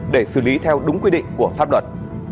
để xử lý theo đúng quy định của pháp luật